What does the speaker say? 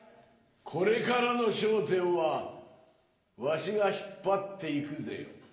これからの『笑点』はわしが引っ張っていくぜよ。